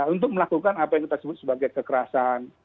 untuk melakukan apa yang kita sebut sebagai kekerasan